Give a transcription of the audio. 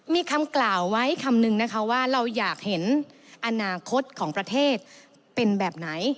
มีคำกล่าวไว้คำนึงนะคะว่าเราอยากเห็นอนาคตของประเทศเป็นแบบไหน